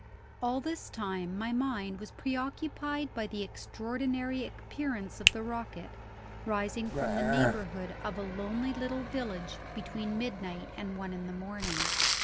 All this time my mind was pre occupied by the extraordinary appearance of the rocket, rising from the neighborhood of a lonely little village between midnight and one in the morning.